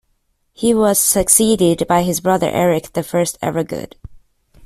He was succeeded by his brother Eric the First Evergood.